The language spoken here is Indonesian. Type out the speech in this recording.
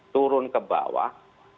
turun ke bawah